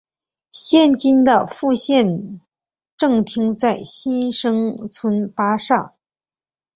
现今的副县政厅在新生村巴刹。